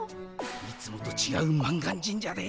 いつもとちがう満願神社で。